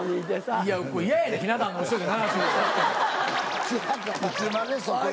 いつまでそこに。